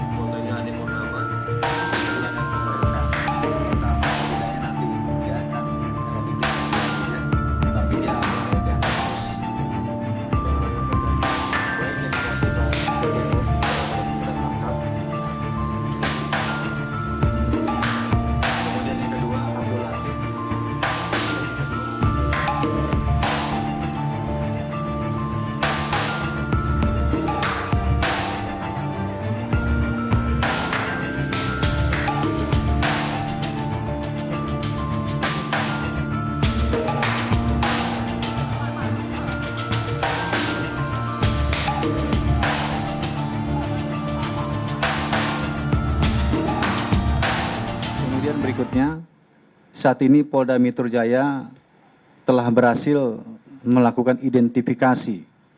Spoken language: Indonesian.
kemudian berikutnya saat ini polda mitrujaya telah berhasil melakukan identifikasi